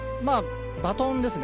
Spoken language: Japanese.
バトンですね。